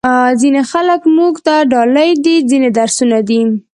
ځینې خلک موږ ته ډالۍ دي، ځینې درسونه دي.